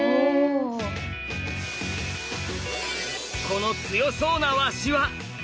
この強そうな鷲は。